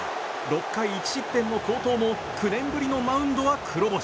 ６回１失点の好投も９年ぶりのマウンドは黒星。